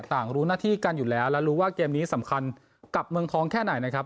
รู้หน้าที่กันอยู่แล้วและรู้ว่าเกมนี้สำคัญกับเมืองทองแค่ไหนนะครับ